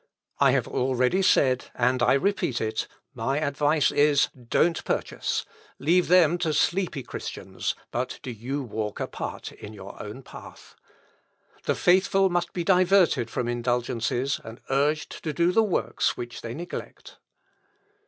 I have already said, and I repeat it; my advice is, Don't purchase. Leave them to sleepy Christians, but do you walk apart in your own path. The faithful must be diverted from indulgences, and urged to do the works which they neglect."